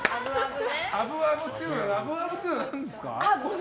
ＡＢＡＢっていうのは何ですか？